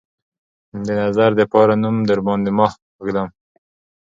د نظر دپاره نوم درباندې ماه ږدم